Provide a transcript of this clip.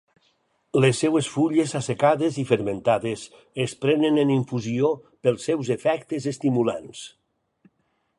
Les seves fulles assecades i fermentades es prenen en infusió pels seus efectes estimulants.